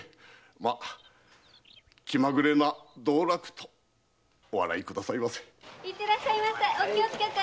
まあ気まぐれな道楽とお笑いくださいませ。